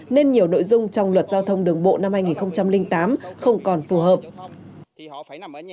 nên nhiều nội dung trong luật giao thông đường bộ năm hai nghìn tám không còn phù hợp